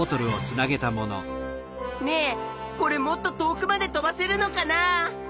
ねえこれもっと遠くまで飛ばせるのかなあ？